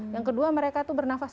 yang kedua mereka itu bernafas